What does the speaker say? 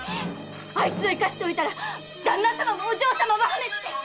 あいつを生かしておいたら旦那様もお嬢様も破滅です！